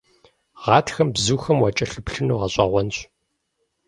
Гъатхэм бзухэм уакӀэлъыплъыну гъэщӀэгъуэнщ.